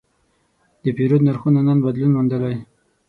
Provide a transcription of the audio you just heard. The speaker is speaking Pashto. د پیرود نرخونه نن بدلون موندلی.